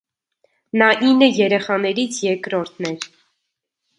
Նա ինը երեխաներից երկրորդ էր։